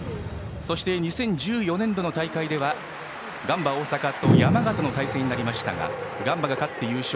そして２０１４年度の大会ではガンバ大阪と山形の決勝となりましたがガンバが勝って優勝